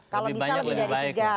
kalau bisa lebih dari tiga